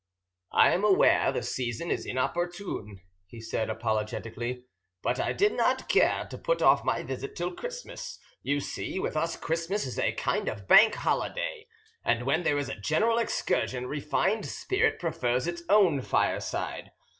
"I am aware the season is inopportune," he said apologetically. "But I did not care to put off my visit till Christmas. You see, with us Christmas is a kind of Bank Holiday; and when there is a general excursion, a refined spirit prefers its own fireside.